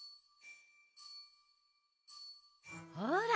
ほら。